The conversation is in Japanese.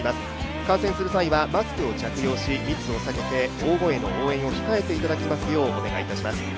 観戦する際はマスクを着用し密を避けて大声の応援を控えていただきますようお願いいたします。